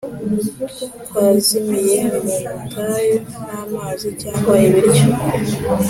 twazimiye mu butayu nta mazi cyangwa ibiryo.